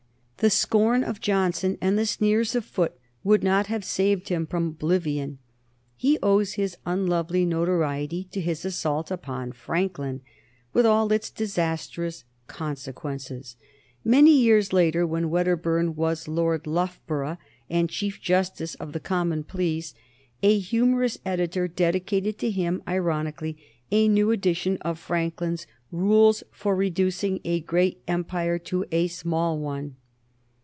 The scorn of Johnson and the sneers of Foote would not have saved him from oblivion; he owes his unlovely notoriety to his assault upon Franklin, with all its disastrous consequences. Many years later, when Wedderburn was Lord Loughborough and Chief Justice of the Common Pleas, a humorous editor dedicated to him ironically a new edition of Franklin's "Rules for Reducing a Great Empire to a Small One."